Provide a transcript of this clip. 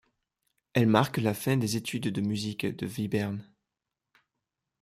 Elle marque la fin des études de musiques de Webern.